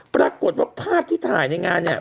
ปรากฏว่าภาพที่ถ่ายในงานเนี่ย